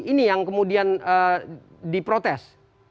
ini yang kemudian diprotes